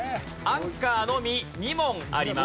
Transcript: アンカーのみ２問あります。